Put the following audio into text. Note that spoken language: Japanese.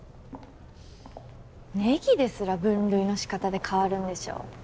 ねぎですら分類のしかたで変わるんでしょ。